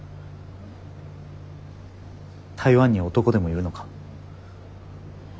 台湾に男でもいるのか？